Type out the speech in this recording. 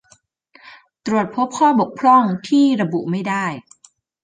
ตรวจพบข้อบกพร่องที่ระบุไม่ได้